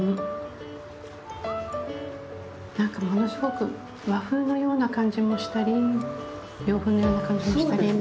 なんか物すごく和風のような感じもしたり洋風なような感じもしたり。